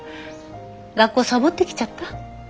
学校さぼってきちゃった？